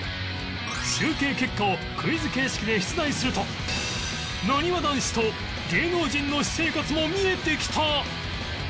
集計結果をクイズ形式で出題するとなにわ男子と芸能人の私生活も見えてきた！？